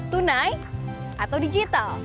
tunai atau digital